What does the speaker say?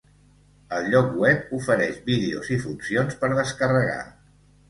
El lloc web ofereix vídeos i funcions per descarregar.